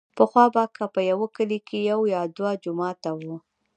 پخوا به که په يوه کلي کښې يو يا دوه جوماته وو.